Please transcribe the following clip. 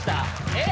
えっ？